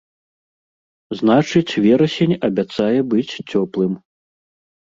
Значыць, верасень абяцае быць цёплым.